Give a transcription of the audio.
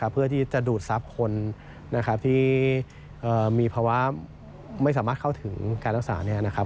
เพื่อที่จะดูดทรัพย์คนที่มีภาวะไม่สามารถเข้าถึงการรักษา